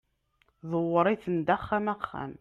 ḍewwer-iten-d axxam axxam